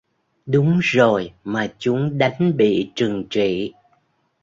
Đúng rồi mà chúng đánh bị trừng trị